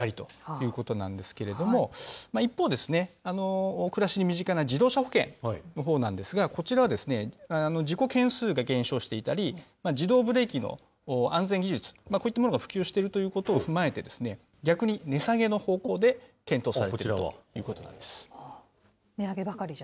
今回は住宅や家財を対象とした火災保険で値上がりということなんですけれども、一方、暮らしに身近な自動車保険のほうなんですが、こちらは事故件数が減少していたり、自動ブレーキの安全技術、こういったものが普及しているということを踏まえて、逆に値下げの方向で検討されているということなんこちらは。